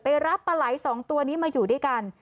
รับปลาไหลสองตัวนี้มาอยู่ด้วยกัน